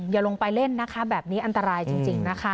อย่าลงไปเล่นนะคะแบบนี้อันตรายจริงนะคะ